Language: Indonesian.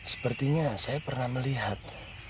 sepertinya saya pernah melihat